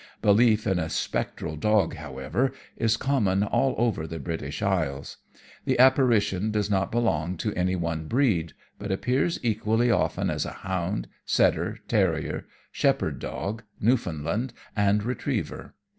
Belief in a spectral dog, however, is common all over the British Isles. The apparition does not belong to any one breed, but appears equally often as a hound, setter, terrier, shepherd dog, Newfoundland and retriever.